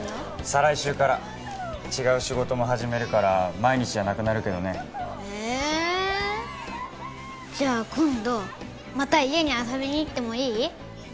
再来週から違う仕事も始めるから毎日じゃなくなるけどねえっじゃあ今度また家に遊びに行ってもいい？